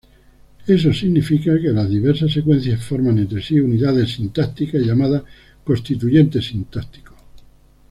Eso significa que las diversas secuencias forman entre sí unidades sintácticas llamadas constituyentes sintácticos.